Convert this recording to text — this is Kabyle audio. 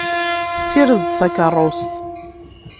Ssired-d takeṛṛust.